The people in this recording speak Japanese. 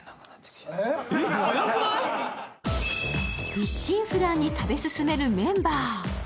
一心不乱に食べ進めるメンバー。